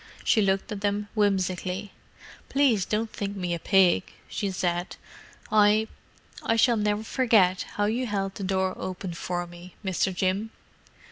She looked at them whimsically. "Please don't think me a pig!" she said. "I—I shall never forget how you held the door open for me, Mr. Jim!"